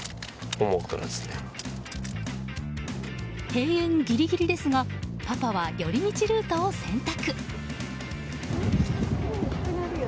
閉園ギリギリですがパパは寄り道ルートを選択。